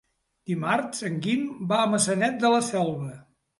Dimarts en Guim va a Maçanet de la Selva.